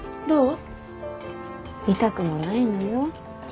痛くもないのよ。